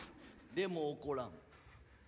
でも怒らん。